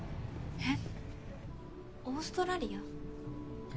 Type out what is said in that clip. えっ？